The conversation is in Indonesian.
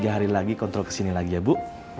tiga hari lagi kontrol kesini lagi ya bu